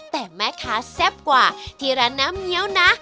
แต่แม่ค้าแซ่บกว่าที่ร้านน้ำเงี้ยวนะ